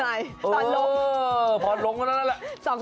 ตอนลงพอลงกันแล้วนั้นแหละ